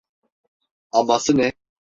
Aması ne?